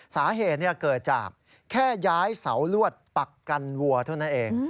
สาเหตุเกิดจากแค่ย้ายเสาลวดปักกันวัวเท่านั้นเอง